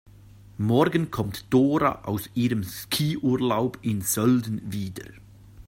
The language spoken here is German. Morgen kommt Dora aus ihrem Skiurlaub in Sölden wieder.